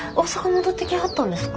戻ってきはったんですか？